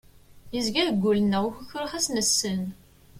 Yezga deg wul-nneɣ ukukru ɣas nessen.